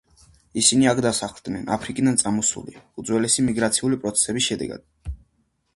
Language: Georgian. ისინი აქ დასახლდნენ აფრიკიდან წამოსული უძველესი მიგრაციული პროცესების შედეგად.